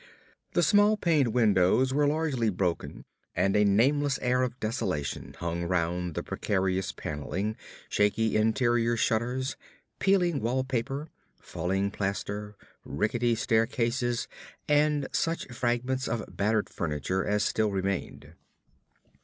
The small paned windows were largely broken, and a nameless air of desolation hung round the precarious panelling, shaky interior shutters, peeling wall paper, falling plaster, rickety staircases, and such fragments of battered furniture as still remained.